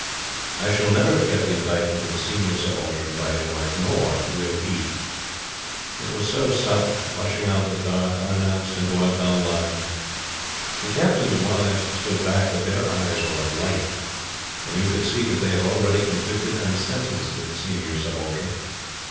I shall never forget the indictment of the Senior Subaltern by his wife. Nor will he. It was so sudden, rushing out of the dark, unannounced, into our dull lives. The Captains' wives stood back; but their eyes were alight, and you could see that they had already convicted and sentenced the Senior Subaltern.